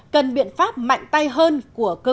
cần biện pháp mạnh tay hơn của các trang thông tin điện tử